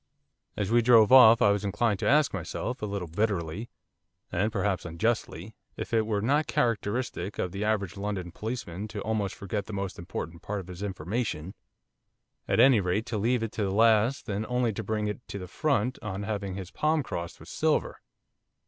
As we drove off I was inclined to ask myself, a little bitterly and perhaps unjustly if it were not characteristic of the average London policeman to almost forget the most important part of his information, at any rate to leave it to the last and only to bring it to the front on having his palm crossed with silver.